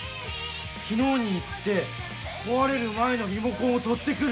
昨日に行って壊れる前のリモコンを取ってくる。